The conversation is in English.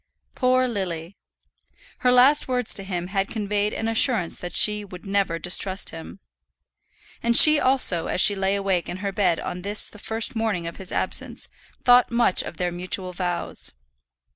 Poor Lily! Her last words to him had conveyed an assurance that she would never distrust him. And she also, as she lay wakeful in her bed on this the first morning of his absence, thought much of their mutual vows.